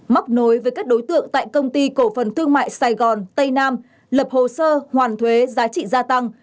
móc nối với các đối tượng tại công ty cổ phần thương mại sài gòn tây nam lập hồ sơ hoàn thuế giá trị gia tăng